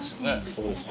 そうですね。